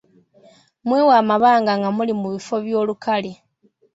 Mwewe amabanga nga muli mu bifo by'olukale.